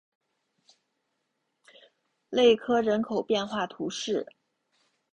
勒科人口变化图示